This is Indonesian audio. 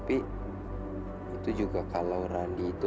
itu juga kalo randi itu